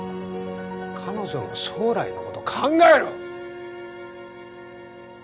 彼女の将来のこと考えろ！